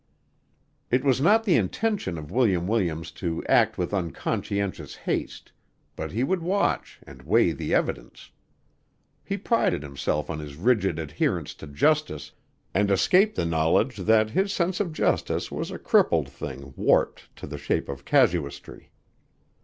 It was not the intention of William Williams to act with unconscientious haste but he would watch and weigh the evidence. He prided himself on his rigid adherence to justice, and escaped the knowledge that his sense of justice was a crippled thing warped to the shape of casuistry.